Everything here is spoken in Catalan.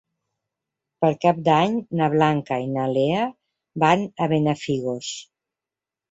Per Cap d'Any na Blanca i na Lea van a Benafigos.